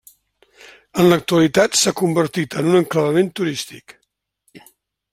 En l'actualitat s'ha convertit en un enclavament turístic.